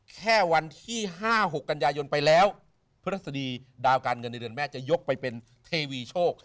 แค่วันที่๕๖กันยายนไปแล้วพฤศดีดาวการเงินในเดือนแม่จะยกไปเป็นเทวีโชค